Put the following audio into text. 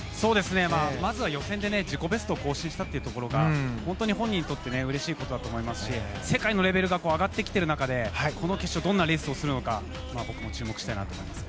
まずは予選で自己ベストを更新したというところが本当に本人にとってうれしいことだと思いますし世界のレベルが上がってきている中でこの決勝どんなレースをするのか僕も注目したいなと思います。